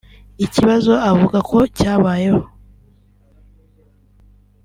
Ikibazo avuga ko cyabayeho